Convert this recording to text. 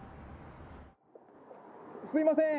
すいません。